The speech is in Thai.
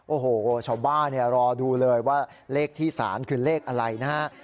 โอ้โหชาวบ้านรอดูเลยว่าเลขที่๓คือเลขอะไรนะฮะ